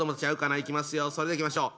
それではいきましょう！